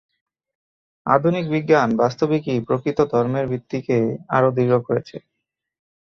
আধুনিক বিজ্ঞান বাস্তবিকই প্রকৃত ধর্মের ভিত্তিকে আরও দৃঢ় করেছে।